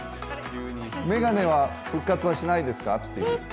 眼鏡は復活はしないですか？という。